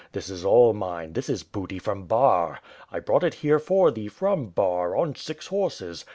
This is all mine, this is booty from Bar. I brought it h€re for thee from Bar, on six horses.